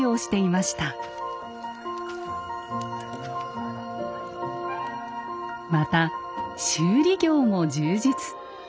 また修理業も充実。